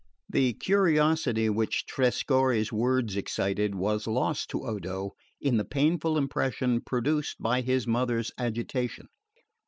The curiosity which Trescorre's words excited was lost to Odo in the painful impression produced by his mother's agitation.